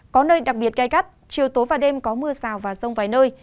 có nơi đặc biệt cay cắt chiều tối và đêm có mưa rào và rông vài nơi